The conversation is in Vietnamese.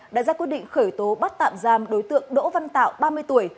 đã ra quyết định khởi tố bắt tạm giam đối tượng đỗ văn tạo ba mươi tuổi